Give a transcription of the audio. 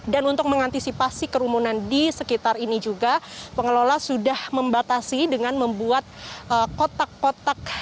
dan untuk mengantisipasi kerumunan di sekitar ini juga pengelola sudah membatasi dengan membuat kotak kotak